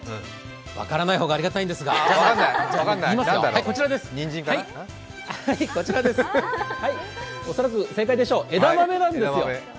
分からない方がありがたいんですがこちらです、恐らく正解でしょう枝豆なんですよ。